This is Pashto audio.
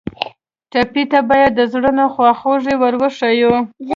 ټپي ته باید د زړونو خواخوږي ور وښیو.